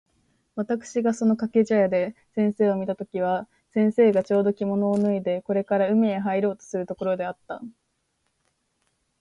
私（わたくし）がその掛茶屋で先生を見た時は、先生がちょうど着物を脱いでこれから海へ入ろうとするところであった。